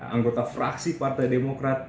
anggota fraksi partai demokrat